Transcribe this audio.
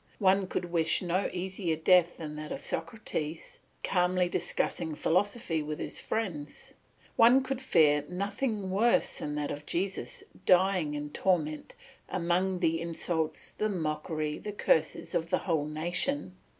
One could wish no easier death than that of Socrates, calmly discussing philosophy with his friends; one could fear nothing worse than that of Jesus, dying in torment, among the insults, the mockery, the curses of the whole nation.